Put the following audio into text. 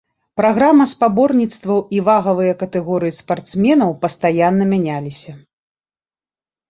Праграма спаборніцтваў і вагавыя катэгорыі спартсменаў пастаянна мяняліся.